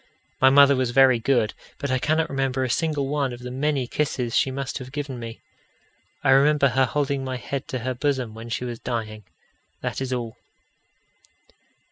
My mother was very good, but I cannot remember a single one of the many kisses she must have given me. I remember her holding my head to her bosom when she was dying that is all.